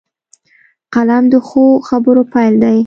قلم د ښو خبرو پيل دی